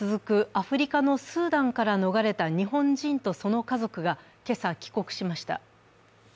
アフリカのスーダンから逃れた日本人とその家族が今朝、帰国しました。